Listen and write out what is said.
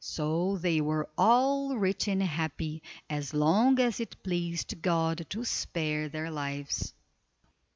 So they were all rich and happy, as long as it pleased God to spare their lives.